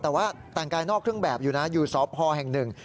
แต่ว่าต่างกายนอกเครื่องแบบอยู่สอบพอแห่งหนึ่ง